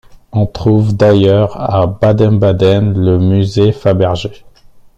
On trouve d'ailleurs à Baden-Baden le musée Fabergé.